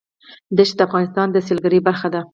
دښتې د افغانستان د سیلګرۍ برخه ده.